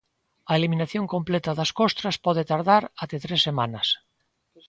A eliminación completa das costras pode tardar até tres semanas.